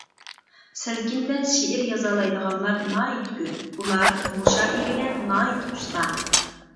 سەلكىندە شېئىر يازالايدىغانلار ناھايىتى كۆپ، ئۇلار مۇشائىرىگە ناھايىتى ئۇستا.